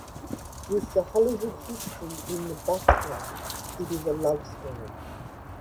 With the Hollywood history in the backdrop, it is a love story.